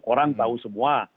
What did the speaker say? orang tahu semua